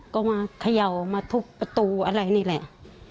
ก็มาเขย่ามาทุบประตูอะไรนี่แหละ